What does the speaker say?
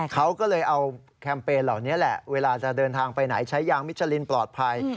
เขาก็เลยเอาแคมเปญเหล่านี้แหละเวลาจะเดินทางไปไหนใช้ยางมิชลินปลอดภัย